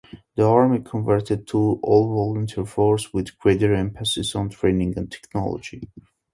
The army converted to an all-volunteer force with greater emphasis on training and technology.